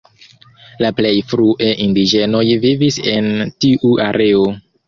La plej frue indiĝenoj vivis en tiu areo.